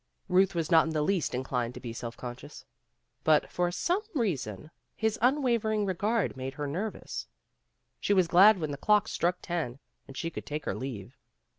Ruth was not in the least in clined to be self conscious, but for some reason his unwavering regard made her nervous. She was glad when the clock struck ten and she could take her leave.